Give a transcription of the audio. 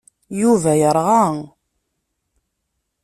Yuba yerɣa.